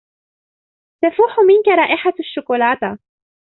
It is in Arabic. تفوح منك رائحة الشوكولاتة.